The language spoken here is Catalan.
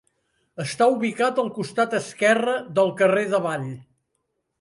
Està ubicat al costat esquerre del carrer d'Avall.